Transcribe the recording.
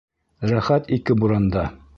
Рәхәт ике буранда